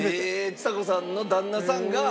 ちさ子さんの旦那さんが。